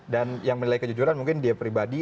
dan yang menilai kejujuran mungkin dia pribadi